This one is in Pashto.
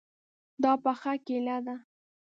دا پخه کیله ده